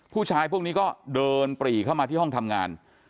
พวกนี้ก็เดินปรีเข้ามาที่ห้องทำงาน